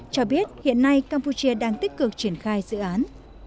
cho biết hiện nay campuchia đang tích cực triển khai dự án